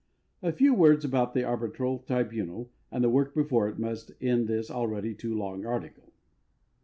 A few words about the arbitral tribunal and the work before it must end this alread_y too long article.